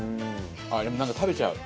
あっでもなんか食べちゃう。